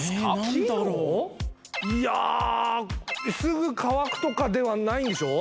いやすぐ乾くとかではないんでしょ？